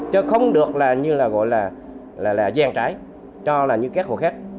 chứ không được là như là gọi là là là gian trái cho là như các hộ khác